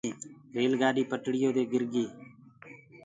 ريل گآڏي پٽڙيو دي گِر گيٚ۔